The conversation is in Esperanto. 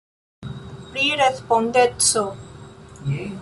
Pri respondeco.